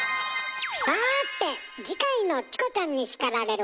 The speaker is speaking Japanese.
さて次回の「チコちゃんに叱られる！」